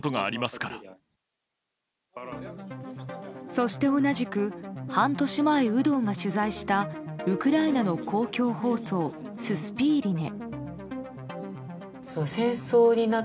そして同じく半年前、有働が取材したウクライナの公共放送ススピーリネ。